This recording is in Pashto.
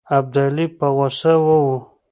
ابدالي په غوسه وو.